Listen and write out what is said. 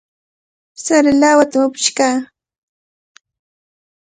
Sara lawatami upush kaa.